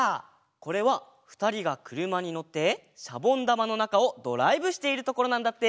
これはふたりがくるまにのってシャボンだまのなかをドライブしているところなんだって。